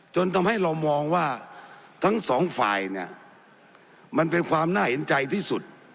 จนทำให้เรามองว่าทั้งสองฝ่ายเนี่ยมันเป็นความน่าเห็นใจที่สุด